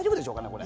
これ。